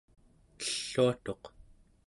elluatuq